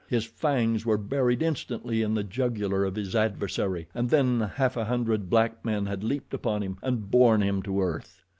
His fangs were buried instantly in the jugular of his adversary and then a half hundred black men had leaped upon him and borne him to earth.